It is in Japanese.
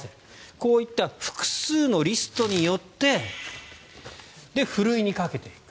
こういった複数のリストによってふるいにかけていく。